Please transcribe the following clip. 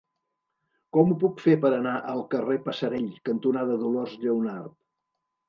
Com ho puc fer per anar al carrer Passerell cantonada Dolors Lleonart?